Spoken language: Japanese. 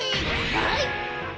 はい！